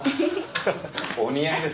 お似合いですね。